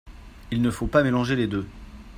Il ne faut pas mélanger les deux.